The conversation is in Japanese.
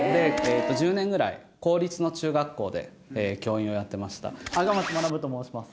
１０年ぐらい公立の中学校で教員をやってました赤松学と申します